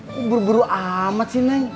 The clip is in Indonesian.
aku buru buru amat sih nay